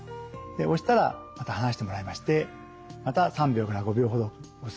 押したらまた離してもらいましてまた３秒から５秒ほど押す。